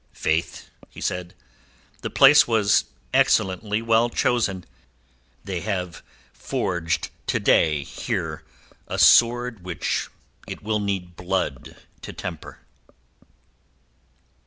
"Faith," he said, "the place was excellently well chosen. They have forged here to day a sword which it will need blood to temper."